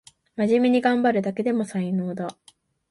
まじめにがんばるだけでも才能だ